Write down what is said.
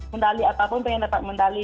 mendali apapun pengen mendali